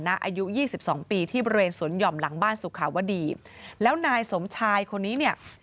อายุยี่สิบสองปีที่บริเวณสวนหย่อมหลังบ้านสุขาวดีแล้วนายสมชายคนนี้เนี่ย